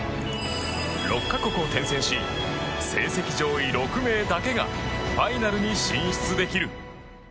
６か国を転戦し成績上位６名だけがファイナルに進出できる。